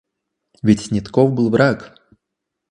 Ведь Снетков был враг.